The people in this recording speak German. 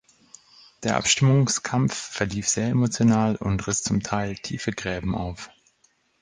Der Abstimmungskampf verlief sehr emotional und riss zum Teil tiefe Gräben auf.